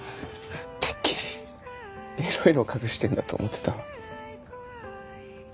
てっきりエロいのを隠してるんだと思ってた。